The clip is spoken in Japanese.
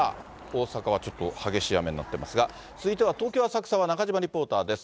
大阪はちょっと激しい雨になってますが、続いては、東京・浅草は中島リポーターです。